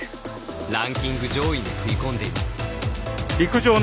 ランキング上位にくい込んでいます。